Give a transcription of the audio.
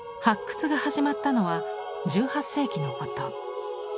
発掘が始まったのは１８世紀のこと。